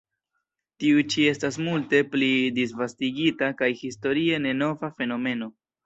Tiu ĉi estas multe pli disvastigita kaj historie ne nova fenomeno.